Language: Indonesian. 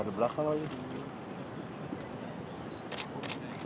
terima kasih atas kekuatan anda